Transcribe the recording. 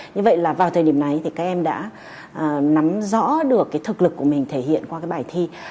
như vậy là vào thời điểm này thì các em đã nắm rõ được cái thực lực của mình thể hiện qua cái bài thi